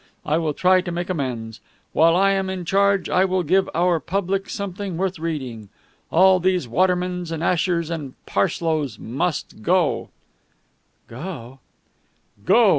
I will try to make amends. While I am in charge, I will give our public something worth reading. All these Watermans and Ashers and Parslows must go!" "Go!" "Go!"